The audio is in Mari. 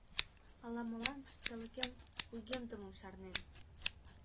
Ала-молан шинчалыкем кугемдымым чарнен.